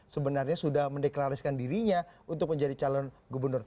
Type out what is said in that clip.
sebenarnya sudah mendeklarasikan dirinya untuk menjadi calon gubernur